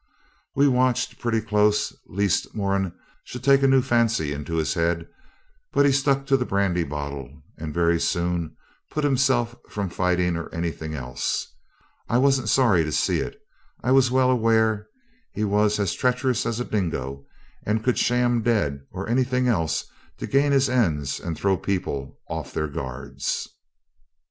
We watched pretty close lest Moran should take a new fancy into his head, but he stuck to the brandy bottle, and very soon put himself from fighting or anything else. I wasn't sorry to see it. I was well aware he was as treacherous as a dingo, and could sham dead or anything else to gain his ends and throw people off their guards.